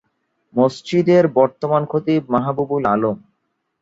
মসজিদের বর্তমান খতিব মাহবুবুল আলম।